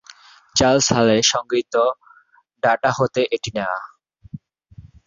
Charles হালের সংগৃহীত data হতে এটি নেয়া।